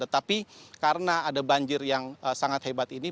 tetapi karena ada banjir yang sangat hebat ini